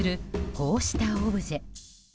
こうしたオブジェ。